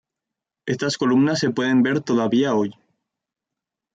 Estas columnas se pueden ver todavía hoy.